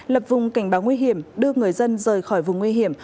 lập vùng cảnh báo nguy hiểm đưa người dân rời khỏi vùng nguy hiểm